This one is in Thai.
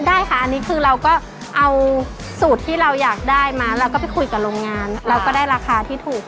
ได้ค่ะอันนี้คือเราก็เอาสูตรที่เราอยากได้มาเราก็ไปคุยกับโรงงานเราก็ได้ราคาที่ถูก